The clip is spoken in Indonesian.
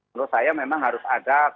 menurut saya memang harus ada